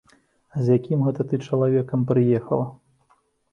А з якім гэта ты чалавекам прыехала?